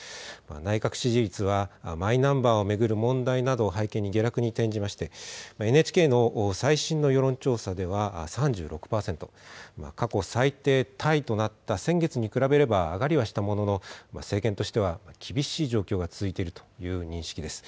内閣支持率はマイナンバーを巡る問題などを背景に下落に転じまして、ＮＨＫの最新の世論調査では３６％、過去最低タイとなった先月に比べれば上がりはしたものの、政権としては厳しい状況が続いているという認識です。